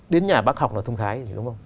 đến nhà bác học là thông thái